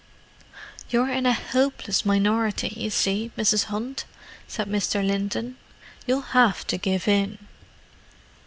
"You're in a hopeless minority, you see, Mrs. Hunt," said Mr. Linton. "You'll have to give in."